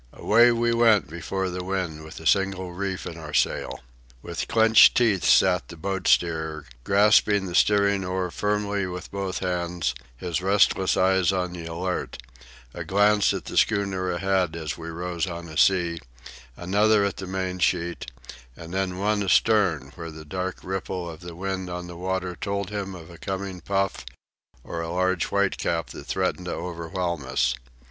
Away we went before the wind with a single reef in our sail. With clenched teeth sat the boat steerer, grasping the steering oar firmly with both hands, his restless eyes on the alert a glance at the schooner ahead, as we rose on a sea, another at the mainsheet, and then one astern where the dark ripple of the wind on the water told him of a coming puff or a large white cap that threatened to overwhelm us.